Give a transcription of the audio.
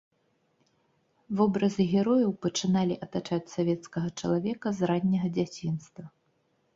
Вобразы герояў пачыналі атачаць савецкага чалавека з ранняга дзяцінства.